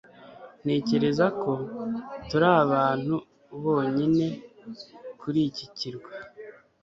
ntekereza ko turi abantu bonyine kuri iki kirwa